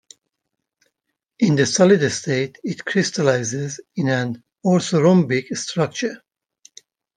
In the solid state, it crystallizes in an orthorhombic structure.